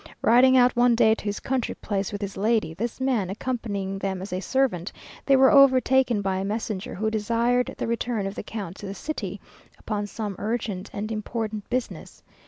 Riding out one day to his country place with his lady, this man accompanying them as a servant, they were overtaken by a messenger, who desired the return of the count to the city, upon some urgent and important business.